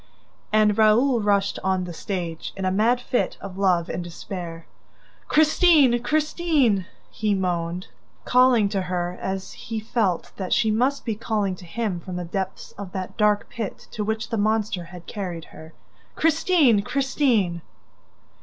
And Raoul rushed on the stage, in a mad fit of love and despair. "Christine! Christine!" he moaned, calling to her as he felt that she must be calling to him from the depths of that dark pit to which the monster had carried her. "Christine! Christine!"